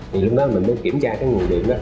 thì lúc đó mình mới kiểm tra cái nguồn điện đó